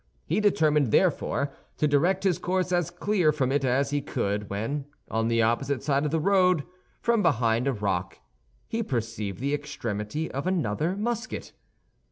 He determined, therefore, to direct his course as clear from it as he could when, on the opposite side of the road, from behind a rock, he perceived the extremity of another musket.